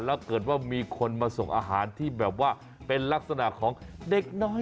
แล้วเกิดว่ามีคนมาส่งอาหารที่แบบว่าเป็นลักษณะของเด็กน้อย